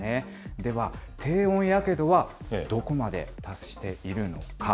では低温やけどは、どこまで達しているのか。